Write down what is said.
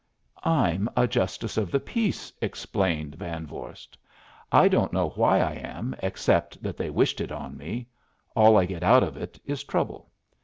"I'm a justice of the peace," explained Van Vorst. "I don't know why I am, except that they wished it on me. All I get out of it is trouble.